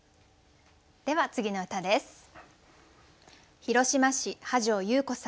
では次の歌です。